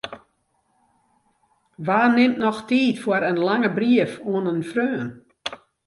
Wa nimt noch tiid foar in lange brief oan in freon?